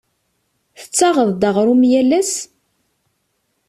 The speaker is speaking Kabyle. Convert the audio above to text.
Tettaɣeḍ-d aɣrum yal ass?